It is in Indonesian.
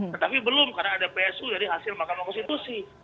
tetapi belum karena ada psu dari hasil mahkamah konstitusi